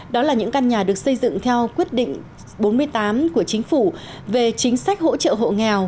đó là những căn nhà được xây dựng theo quyết định bốn mươi tám của chính phủ về chính sách hỗ trợ hộ nghèo